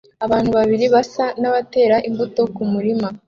Abantu babiri basa n'abatera imbuto kumurima